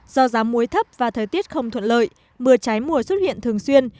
do giá muối thấp và thời tiết không thuận lợi mưa trái mùa xuất hiện thường xuyên